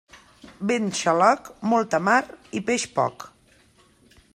Vent xaloc, molta mar i peix poc.